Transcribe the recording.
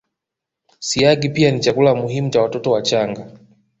Siagi pia ni chakula muhimu cha watoto wachanga